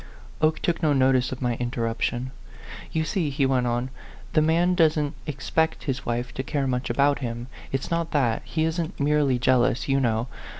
Oke took no notice of my interruption. " You see," he went on, " the man doesn't expect his wife to care much about him. It's not that; he isn't merely jealous, you know.